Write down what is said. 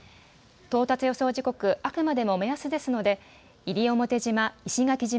到達予想時刻はあくまでも目安ですので西表島、石垣島、